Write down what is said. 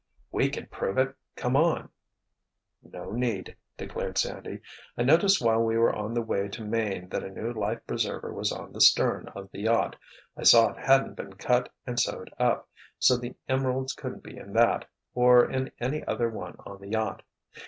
"We can prove it—come on!" "No need," declared Sandy. "I noticed while we were on the way to Maine that a new life preserver was on the stern of the yacht. I saw it hadn't been cut and sewed up, so the emeralds couldn't be in that—or in any other one on the yacht.